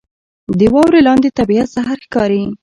• د واورې لاندې طبیعت سحر ښکاري.